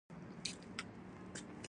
لاس کښل شوی یو بل نقل بوداپست ته رسوي.